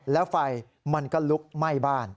แล้วไฟมันก็ลุกไหม้บ้าน